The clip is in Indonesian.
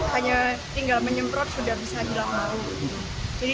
hanya tinggal menyemprot sudah bisa bilang baru